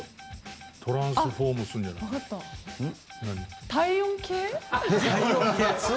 トランスフォームするんじゃない？